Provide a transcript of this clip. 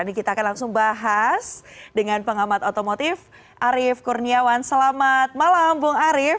ini kita akan langsung bahas dengan pengamat otomotif arief kurniawan selamat malam bung arief